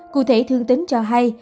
cụ thể thương tính cho hay